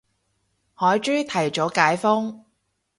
海珠提早解封